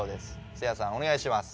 せいやさんおねがいします。